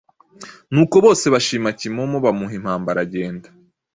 Nuko bose bashima Kimomo bamuha impamba aragenda.